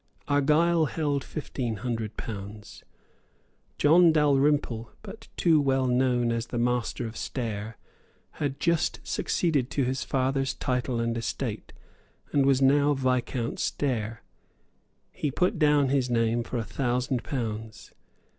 Argyle held fifteen hundred pounds. John Dalrymple, but too well known as the Master of Stair, had just succeeded to his father's title and estate, and was now Viscount Stair. He put down his name for a thousand pounds.